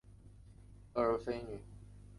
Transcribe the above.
德尔斐女先知以前的故事。